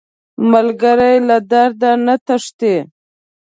ملګری له درده نه تښتي